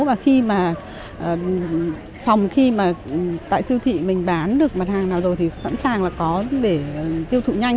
và khi mà tại siêu thị mình bán được mặt hàng nào rồi thì sẵn sàng là có để tiêu thụ nhanh